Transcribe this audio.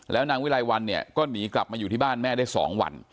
แล้วนางวิไลวันเนี่ยก็หนีกลับมาอยู่ที่บ้านแม่ได้๒วัน